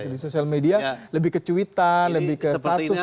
di sosial media lebih ke cuitan lebih ke status